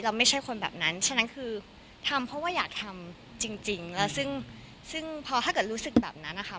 ไม่ใช่คนแบบนั้นฉะนั้นคือทำเพราะว่าอยากทำจริงแล้วซึ่งซึ่งพอถ้าเกิดรู้สึกแบบนั้นนะคะ